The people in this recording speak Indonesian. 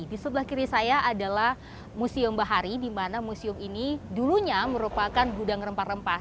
di sebelah kiri saya adalah museum bahari di mana museum ini dulunya merupakan gudang rempah rempah